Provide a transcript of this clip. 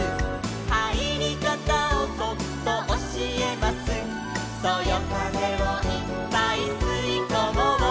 「はいりかたをそっとおしえます」「そよかぜをいっぱいすいこもう」